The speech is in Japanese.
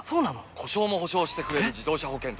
故障も補償してくれる自動車保険といえば？